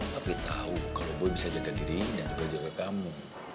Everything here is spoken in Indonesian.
tapi tau kalau boy bisa jaga diri dan juga jaga kamu